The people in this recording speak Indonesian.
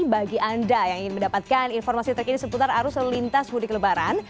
bagi anda yang ingin mendapatkan informasi terkini seputar arus lalu lintas mudik lebaran